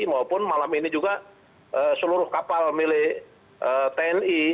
maupun malam ini juga seluruh kapal milik tni